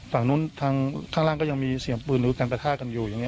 ฝั่งนู้นทางข้างล่างก็ยังมีเสียงปืนหรือการประทากันอยู่อย่างนี้